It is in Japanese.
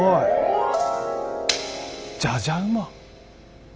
じゃじゃ馬。